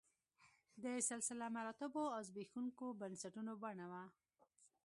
د سلسله مراتبو او زبېښونکو بنسټونو بڼه وه